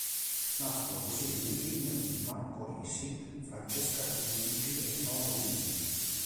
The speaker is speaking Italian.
Nascono così i primi film di Marco Risi, Francesca Archibugi e Paolo Virzì.